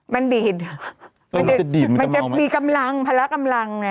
มันดีดมันจะมีกำลังพละกำลังไง